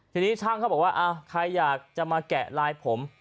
ทีนี้ช่างเขาบอกว่าใครอยากจะมาแกะลายผม